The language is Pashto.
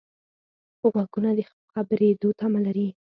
غوږونه د خبرېدو تمه لري